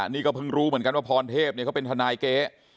นี่ก็เพิ่งรู้เหมือนกันว่าพรเทพเขาเป็นทนายเก๊